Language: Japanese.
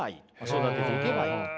育てていけばいいと。